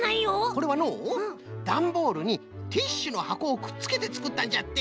これはのうだんボールにティッシュのはこをくっつけてつくったんじゃって。